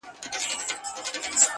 د حرم د ښایستو پر زړه پرهار وو!